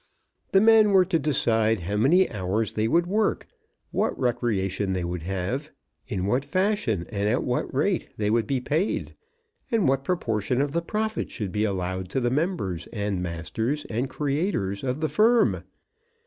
The men were to decide how many hours they would work, what recreation they would have, in what fashion and at what rate they would be paid, and what proportion of profit should be allowed to the members, and masters, and creators of the firm!